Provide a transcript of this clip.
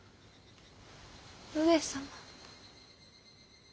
上様。